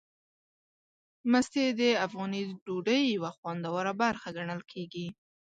مستې د افغاني ډوډۍ یوه خوندوره برخه ګڼل کېږي.